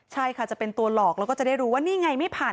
ใช่ค่ะจะเป็นตัวหลอกแล้วก็จะได้รู้ว่านี่ไงไม่ผ่าน